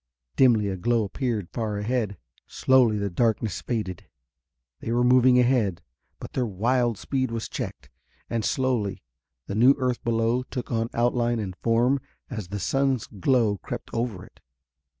Dimly a glow appeared far ahead; slowly the darkness faded. They were moving ahead, but their wild speed was checked. And slowly the new earth below took on outline and form as the sun's glow crept over it.